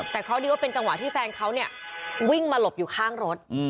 แต่เคราะห์ดีว่าเป็นจังหวะที่แฟนเขาเนี่ยวิ่งมาหลบอยู่ข้างรถ